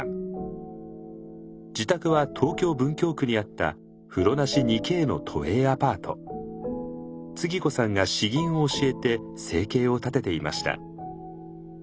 自宅は東京・文京区にあったつぎ子さんが詩吟を教えて生計を立てていました。